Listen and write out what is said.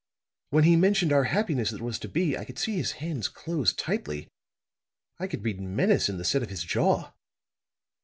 When he mentioned our happiness that was to be, I could see his hands close tightly, I could read menace in the set of his jaw.